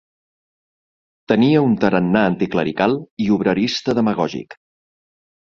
Tenia un tarannà anticlerical i obrerista demagògic.